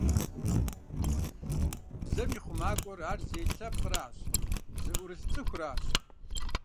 Бзэм и хъумакӀуэр ар зей лъэпкъыращ, зыӀурылъ цӀыхуращ.